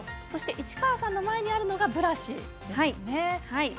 そして、市川さんの前にあるのが、ブラシですね。